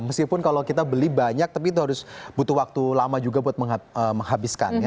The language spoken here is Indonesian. meskipun kalau kita beli banyak tapi itu harus butuh waktu lama juga buat menghabiskan